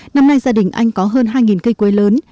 năm nay gia đình anh có hơn hai cây quế lớn